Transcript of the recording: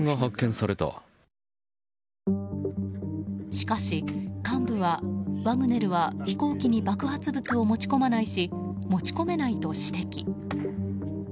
しかし幹部は、ワグネルは爆発物を持ち込まないし持ち込めないと指摘。